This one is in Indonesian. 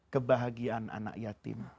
kebahagiaan anak yatim